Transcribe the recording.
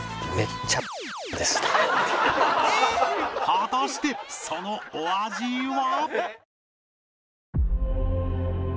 果たしてそのお味は？